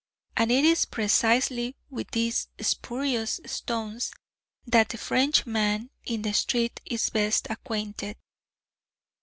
And it is precisely with these spurious stones that the French man in the street is best acquainted.